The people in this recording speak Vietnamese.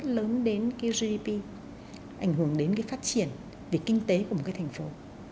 lớn đến cái gdp ảnh hưởng đến cái phát triển về kinh tế của một cái thành phố